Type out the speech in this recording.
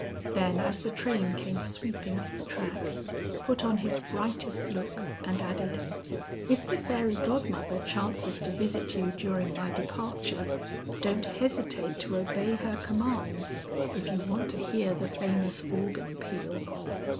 Then as the train came sweeping up the track, put on his brightest look and added, "If the fairy godmother chances to visit you during my departure, don't hesitate to obey her commands, if you want to hear the famous organ peal."